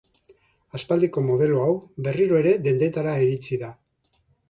Aspaldiko modelo hau berriro ere dendetara iritsi da.